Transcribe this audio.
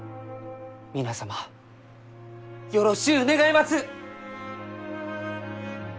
皆様よろしゅう願います！